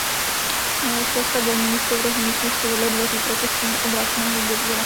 Mělo své stabilní místo v rohu místnosti vedle dveří proti stěně obrácené do dvora.